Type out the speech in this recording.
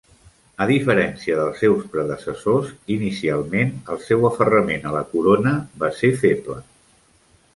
A diferència dels seus predecessors, inicialment el seu aferrament a la corona va ser feble.